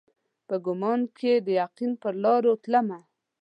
په ګمان کښي د یقین پرلارو تلمه